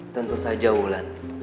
tentu saja wulan